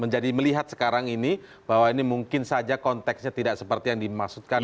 menjadi melihat sekarang ini bahwa ini mungkin saja konteksnya tidak seperti yang dimaksudkan